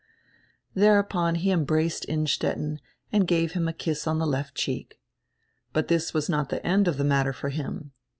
Thereupon he embraced Innstetten and gave him a kiss on die left cheek. But this was not the end of die matter for him.